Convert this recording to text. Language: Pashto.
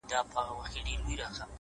• یو ډارونکی؛ ورانونکی شی خو هم نه دی؛